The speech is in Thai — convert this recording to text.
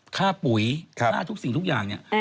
ค่าปุ๋ยค่าทุกสิ่งทุกอย่างเนี่ย